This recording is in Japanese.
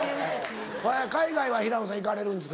海外は平野さん行かれるんですか？